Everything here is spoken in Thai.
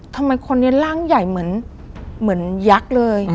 ทำไมคนนี้ร่างใหญ่เหมือนยักษ์เลย